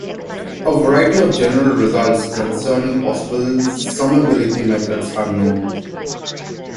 A variety of general results concerning possible summability methods are known.